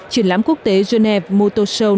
triển lãm quốc tế genève motor show